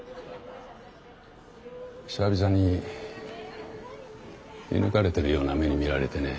久々に射ぬかれてるような目に見られてね。